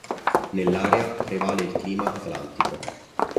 Nell'area prevale il clima atlantico.